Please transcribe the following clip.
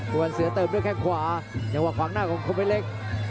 พวกมันเสือเติบด้วยแค่ขวายังว่าขวางหน้าของคมเพล็ก